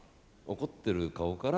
怒ってる顔から？